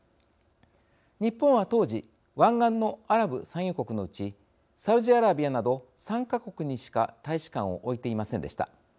日本は当時湾岸のアラブ産油国のうちサウジアラビアなど３か国にしか大使館を置いていませんでした。